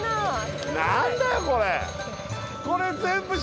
何だよこれ。